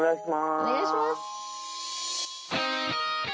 おねがいします！